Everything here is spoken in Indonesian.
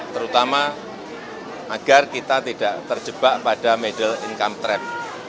terutama agar kita tidak terjebak pada middle income trap